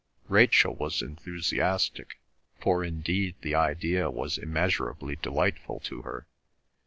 Rachel was enthusiastic, for indeed the idea was immeasurably delightful to her.